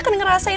getar aja dia